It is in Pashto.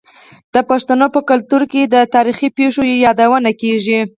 د پښتنو په کلتور کې د تاریخي پیښو یادونه کیږي.